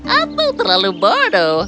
atau terlalu bodoh